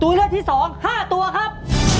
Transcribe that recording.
ตัวเลือกที่๒๕ตัวครับ